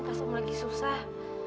pas om lagi susah